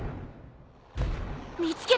見つけた！